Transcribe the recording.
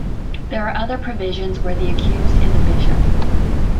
There are other provisions where the accused is a bishop.